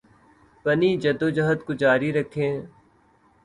پنی جدوجہد کو جاری رکھیں